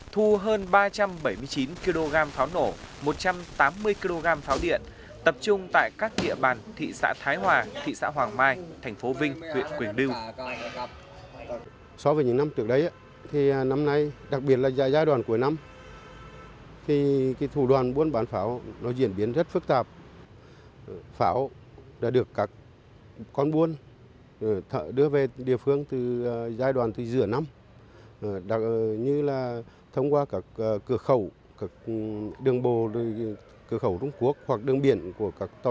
thu hơn ba trăm bảy mươi chín kg pháo nổ một trăm tám mươi kg pháo điện tập trung tại các địa bàn thị xã thái hòa thị xã hoàng mai thành phố vinh huyện quỳnh đưu